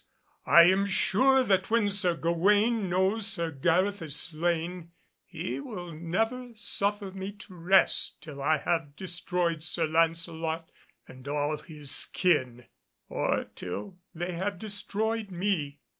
I am sure that when Sir Gawaine knows Sir Gareth is slain he will never suffer me to rest till I have destroyed Sir Lancelot and all his kin, or till they have destroyed me.